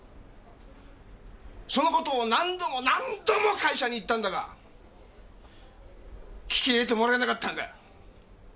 その事を何度も何度も会社に言ったんだが聞き入れてもらえなかったんだ。